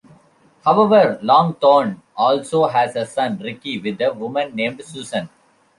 However, Longthorne also has a son, Ricky, with a woman named Susan.